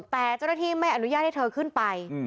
แต่เจ้าหน้าที่ไม่อนุญาตให้เธอขึ้นไป